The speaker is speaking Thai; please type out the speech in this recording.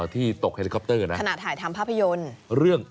ที่ตกเฮลิคอปเตอร์นะขณะถ่ายทำภาพยนตร์เรื่อง